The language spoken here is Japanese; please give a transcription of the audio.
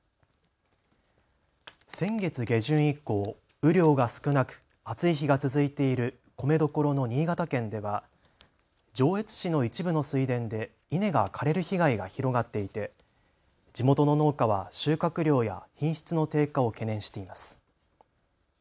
先月下旬以降、雨量が少なく暑い日が続いている米どころの新潟県では上越市の一部の水田で稲が枯れる被害が広がっていて地元の農家は収穫量や品質の低下を懸念しています。